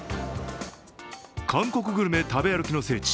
韓国グルメ食べ歩きの聖地